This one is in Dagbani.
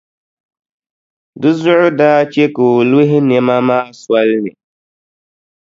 Di zuɣu daa che ka o luhi nɛma maa soli ni.